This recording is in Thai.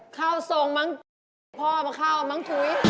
เข้าทรงมั้งพ่อมาข้าวมั้งถุย